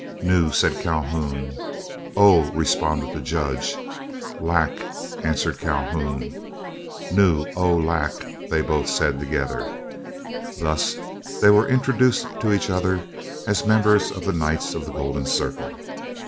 "Nu," said Calhoun. "Oh," responded the Judge. "Lac," answered Calhoun. "Nu oh lac," they then both said together. Thus were they introduced to each other as members of the Knights of the Golden Circle.